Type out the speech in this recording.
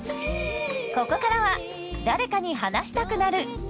ここからは「だれかに話したくなる！